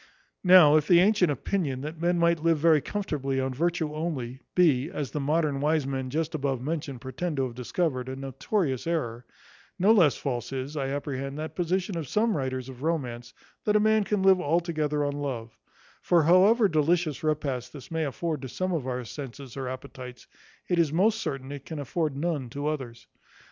Now if the antient opinion, that men might live very comfortably on virtue only, be, as the modern wise men just above mentioned pretend to have discovered, a notorious error; no less false is, I apprehend, that position of some writers of romance, that a man can live altogether on love; for however delicious repasts this may afford to some of our senses or appetites, it is most certain it can afford none to others.